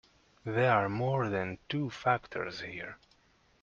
There are more than two factors here.